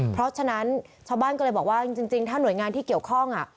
เพราะฉะนั้นชาวบ้านก็เลยบอกว่าจริงถ้าหน่วยงานที่เกี่ยวข้อง